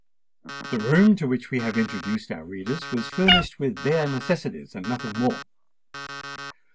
The room to which we have introduced our readers was furnished with bare necessaries, and nothing more.